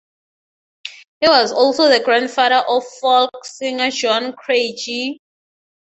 He was also the grandfather of folk singer John Craigie.